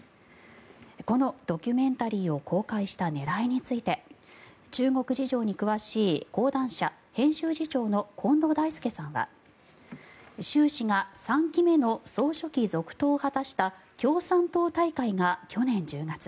このドキュメンタリーを公開した狙いについて中国事情に詳しい講談社編集次長の近藤大介さんは習氏が３期目の総書記続投を果たした共産党大会が去年１０月。